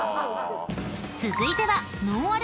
［続いては］